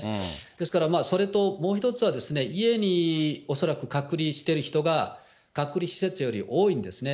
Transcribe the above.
ですからまあそれともう一つは、家に恐らく隔離している人が隔離施設より多いんですね。